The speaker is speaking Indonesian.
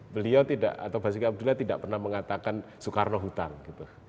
beliau tidak atau basuki abdullah tidak pernah mengatakan soekarno hutang gitu